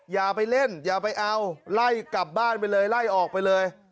อย่าไปเล่นอย่าไปเอาไล่กลับบ้านไปเลยไล่ออกไปเลย